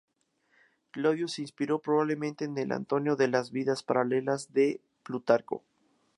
Claudio se inspiró probablemente en el "Antonio" de las "Vidas paralelas" de Plutarco.